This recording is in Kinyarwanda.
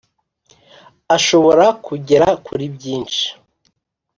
ashobora kugera kuri byinshi